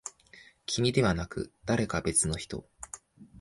君ではなく、誰か別の人。